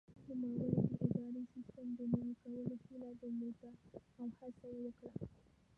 نوموړي د اداري سیسټم د نوي کولو هیله درلوده او هڅه یې وکړه.